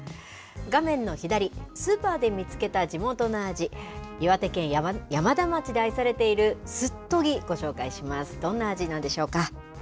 画面の左、スーパーで見つけた地元の味、岩手県山田町で愛されているすっとぎ、どんな味なんでしょうか。